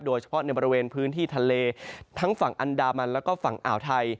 โดยเฉพาะในบริเวณพื้นที่ทะเลทั้งฝั่งอันดามันแล้วก็ฝั่งอ่าวไทย